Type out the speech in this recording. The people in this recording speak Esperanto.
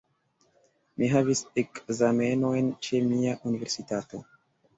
Mi havis ekzamenojn ĉe mia universitato.